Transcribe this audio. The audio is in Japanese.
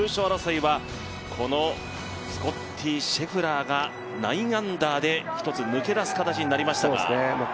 そして優勝争いは、このスコッティ・シェフラーが９アンダーで、１つ抜け出す形になりましたが。